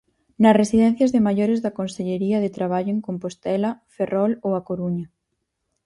Nas residencias de maiores da Consellería de Traballo en Compostela, Ferrol ou A Coruña.